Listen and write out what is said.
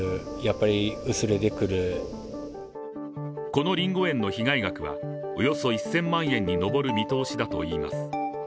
このりんご園の被害額はおよそ１０００万円に上る見通しだといいます。